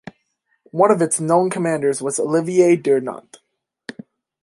One of its known commanders was Olivier Durgnat.